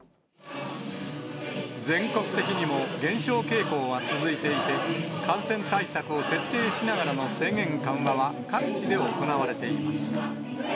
全国的にも、減少傾向は続いていて、感染対策を徹底しながらの制限緩和は、各地で行われています。